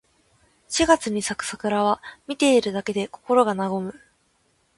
四月に咲く桜は、見ているだけで心が和む。